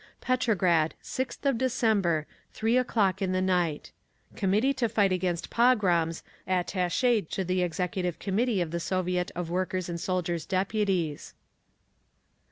Petrograd, 6th of December, 3 o'clock in the night. _Committee to Fight Against Pogroms, attached to the Executive Committee of the Soviet of Workers' and Soldiers' Deputies.